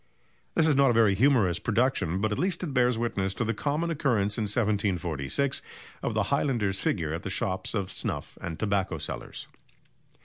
This is not a very humorous production, but at least it bears witness to the common occurrence in 1746 of the highlander's figure at the shops of snuff and tobacco sellers.